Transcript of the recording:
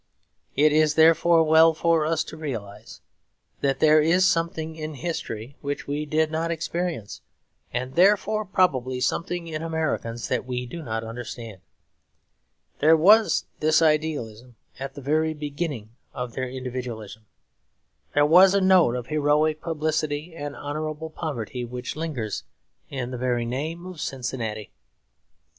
It is therefore well for us to realise that there is something in history which we did not experience; and therefore probably something in Americans that we do not understand. There was this idealism at the very beginning of their individualism. There was a note of heroic publicity and honourable poverty which lingers in the very name of Cincinnati.